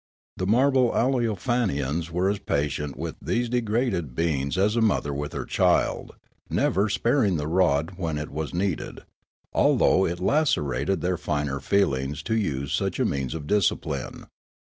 The marble Aleofanians w^ere as patient with these degraded beings as a mother with her child, never sparing the rod when it was needed, although it lacerated their finer feelings to use such a means of discipline.